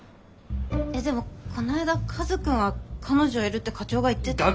えっでもこの間カズくんは彼女いるって課長が言ってた。